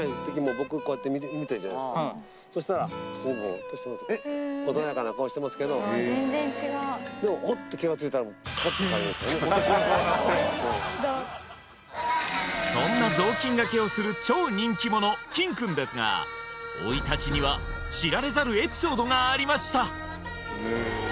僕こうやって見てるじゃないですかそしたらそんな雑巾がけをする超人気者キンくんですが生い立ちには知られざるエピソードがありました